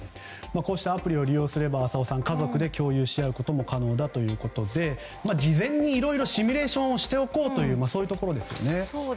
こうしたアプリを利用すれば家族で共有し合うことも可能だということで事前にいろいろシミュレーションをしておこうとそういうところですね。